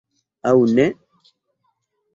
Aŭ ne?